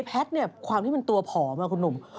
แพทย์เนี่ยความที่มันตัวผอมคุณหนุ่ม